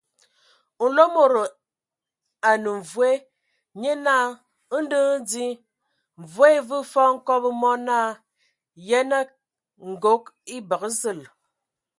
Nlomodo a nəa mvoe, nye naa : ndɔ hm di. Mvoe e vəə fɔɔ hkobo mɔ naa : Yənə, ngog. E bəgə zəl !